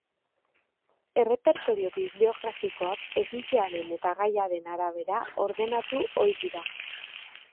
Errepertorio bibliografikoak egilearen eta gaiaren arabera ordenatu ohi dira.